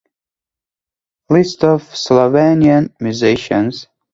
List of Slovenian musicians